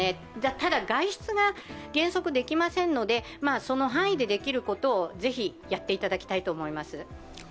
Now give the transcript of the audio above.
ただ、外出が原則できませんのでその範囲でできることをぜひやっていただきたいと思います。